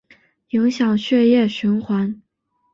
影响血液循环